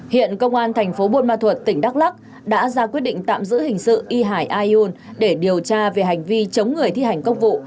hiện công an thành phố buôn ma thuật tỉnh đắk lắc đã ra quyết định tạm giữ hình sự y hải ayun để điều tra về hành vi chống người thi hành công vụ